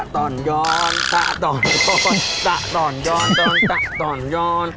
ตะต่อนย้อนตะต่อนย้อนตะต่อนย้อนตะต่อนย้อน